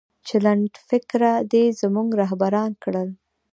چې لنډفکره دې زموږه رهبران کړل